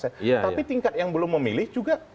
tapi tingkat yang belum memilih juga